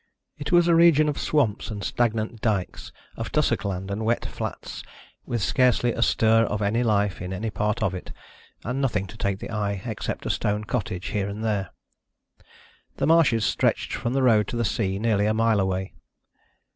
It was a region of swamps and stagnant dykes, of tussock land and wet flats, with scarcely a stir of life in any part of it, and nothing to take the eye except a stone cottage here and there. The marshes stretched from the road to the sea, nearly a mile away.